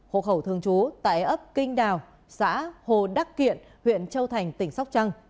hộ khẩu thường trú tại ấp kinh đào xã hồ đắc kiện huyện châu thành tỉnh sóc trăng